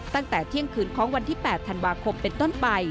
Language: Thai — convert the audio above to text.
ตั้งแต่เที่ยงคืนของวันที่๘ธันวาคมเป็นต้นไป